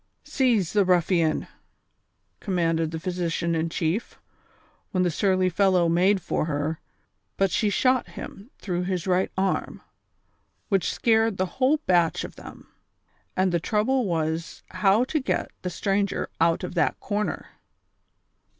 '■'■ Seize the ruffian !" commanded the physician in chief, wlien the surly fellow made for her, but she shot him through his right arm, which scared the whole batch of them ; and the trouble was how to get the stranger out of that corner.